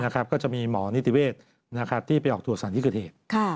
ก็จะมีหมอนิติเวศที่ไปออกตรวจสถานที่เกิดเหตุ